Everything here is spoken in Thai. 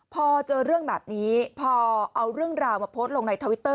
พอเจอเรื่องแบบนี้พอเอาเรื่องราวมาโพสต์ลงในทวิตเตอร์